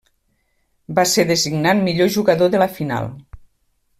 Va ser designat millor jugador de la final.